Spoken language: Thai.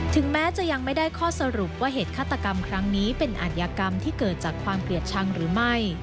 ถึงแม้จะยังไม่ได้ข้อสรุปว่าเหตุฆาตกรรมครั้งนี้เป็นอัธยากรรมที่เกิดจากความเกลียดชังหรือไม่